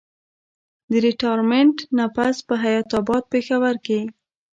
د ريټائرمنټ نه پس پۀ حيات اباد پېښور کښې